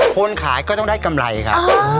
คนขายก็ต้องได้กำไรครับ